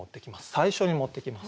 最初に持ってきます。